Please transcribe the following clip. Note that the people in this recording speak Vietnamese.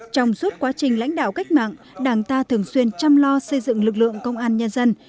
trong suốt quá trình lãnh đạo cách mạng đảng ta thường xuyên chăm lo xây dựng lực lượng công an nhân dân